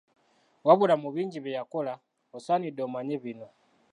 Wabula mu bingi bye yakola, osaanidde omanye bino.